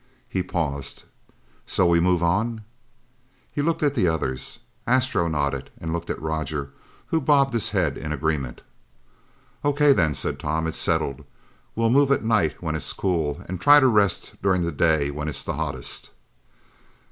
He paused. "So we move on?" He looked at the others. Astro nodded and looked at Roger, who bobbed his head in agreement. "O.K., then," said Tom, "it's settled. We'll move at night when it's cool, and try to rest during the day when it's the hottest."